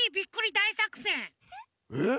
えっ？